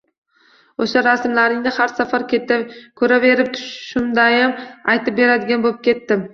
O‘sha rasmlaringni har safar ko‘raverib, tushimdayam aytib beradigan bo‘pketdim